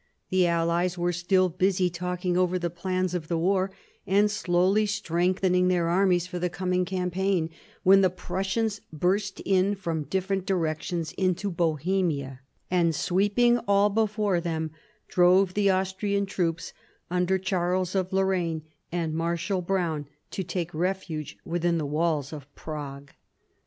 The allies were still busy talking over the plans of the war, and slowly strengthening their armies for the coming campaign, when the Prussians burst in from different directions into Bohemia, and, sweeping all before them, drove the Austrian troops under Charles of Lorraine and Marshal Browne to take refuge within the walls of Prague.